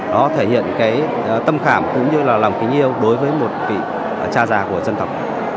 nó thể hiện cái tâm cảm cũng như là lòng kỷ niệm đối với một vị cha già của dân tộc